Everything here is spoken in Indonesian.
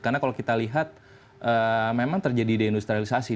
karena kalau kita lihat memang terjadi deindustrialisasi